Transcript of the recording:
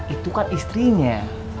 itu kan istrinya